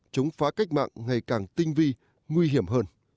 chống phá cách mạng ngày càng tinh vi nguy hiểm hơn